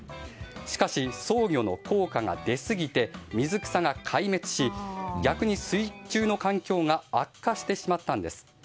しかしソウギョの効果が出すぎて水草が壊滅し逆に水中の環境が悪化してしまったんです。